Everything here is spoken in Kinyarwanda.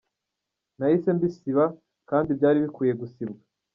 Nahise mbisiba kandi byari bikwiye gusibwa.